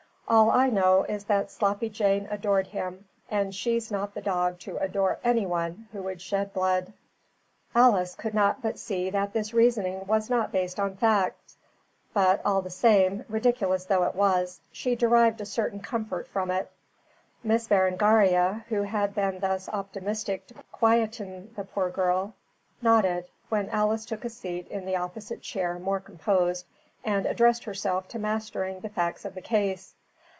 "All I know is that Sloppy Jane adored him, and she's not the dog to adore anyone who would shed blood." Alice could not but see that this reasoning was not based on facts. But, all the same, ridiculous though it was, she derived a certain comfort from it. Miss Berengaria, who had been thus optimistic to quieten the poor girl, nodded, when Alice took a seat in the opposite chair more composed, and addressed herself to mastering the facts of the case.